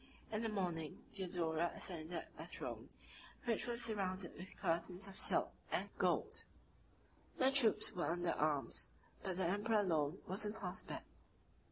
In the morning, Theodora ascended a throne, which was surrounded with curtains of silk and gold: the troops were under arms; but the emperor alone was on horseback.